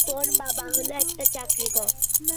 চলো, আমরা নীচে বসি গিয়া।